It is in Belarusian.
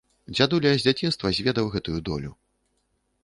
Дзядуля з дзяцінства зведаў гэтую долю.